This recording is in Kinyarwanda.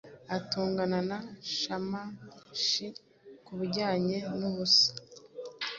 atongana na Shamashi kubijyanye nubusa